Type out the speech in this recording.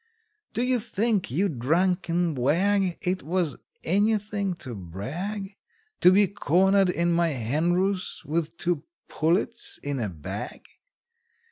Do you think, you drunken wag, It was any thing to brag, To be cornered in my hen roost, with two pullets in a bag?